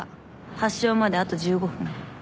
発症まであと１５分。